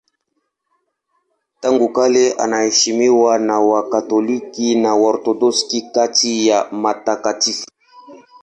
Tangu kale anaheshimiwa na Wakatoliki na Waorthodoksi kati ya watakatifu.